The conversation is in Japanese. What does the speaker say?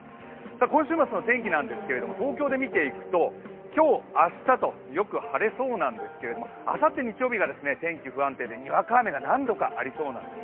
今週末の天気なんですけれども東京で見ていくと今日、明日とよく晴れそうなんですけども、あさって日曜日が天気不安定でにわか雨、何度かありそうなんです。